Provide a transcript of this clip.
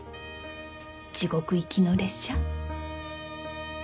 地獄行きの列車。